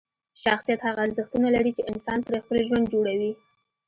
شخصیت هغه ارزښتونه لري چې انسان پرې خپل ژوند جوړوي.